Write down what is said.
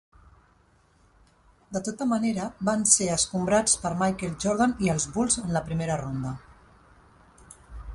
De tota manera van ser escombrats per Michael Jordan i els Bulls en la primera ronda.